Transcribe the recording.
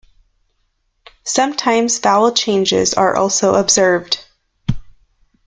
Sometimes vowel changes are also observed.